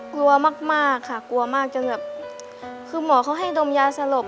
กลัวมากค่ะกลัวมากจนแบบคือหมอเขาให้ดมยาสลบ